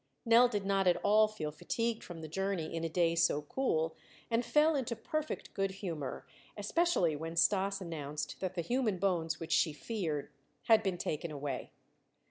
Nell did not at all feel fatigued from the journey in a day so cool, and fell into perfect good humor, especially when Stas announced that the human bones, which she feared, had been taken away.